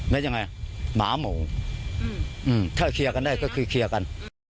แล้วยังไงหมาหมูถ้าเคลียร์กันได้ก็คือเคลียร์กัน